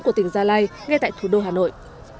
của tỉnh gia lai ngay tại thủ đô hà nội